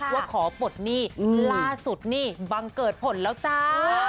ว่าขอปลดหนี้ล่าสุดนี่บังเกิดผลแล้วจ้า